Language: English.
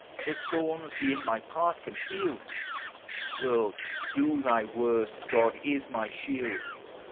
Though thorns be in my path concealed? World, do thy worst! God is my shield!